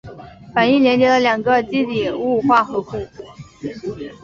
反应连接了两个羰基底物化合物。